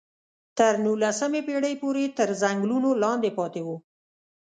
تر نولسمې پېړۍ پورې تر ځنګلونو لاندې پاتې وو.